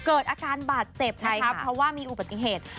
เกิดอาการบาดเจ็บนะคะเพราะว่ามีอุบัติเหตุ